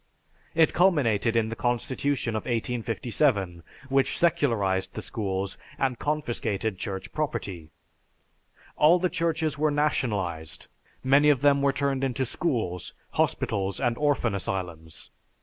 It culminated in the Constitution of 1857, which secularized the schools and confiscated Church property. All the churches were nationalized, many of them were turned into schools, hospitals, and orphan asylums.